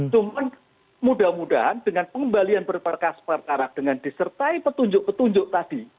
cuman mudah mudahan dengan pengembalian berperkas perkara dengan disertai petunjuk petunjuk tadi